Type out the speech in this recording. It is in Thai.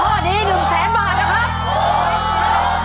ถ้าถูกข้อนี้หนึ่งแสนบาทนะครับ